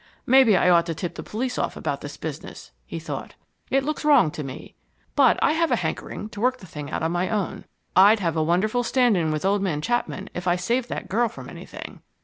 "Maybe I ought to tip the police off about this business," he thought. "It looks wrong to me. But I have a hankering to work the thing out on my own. I'd have a wonderful stand in with old man Chapman if I saved that girl from anything.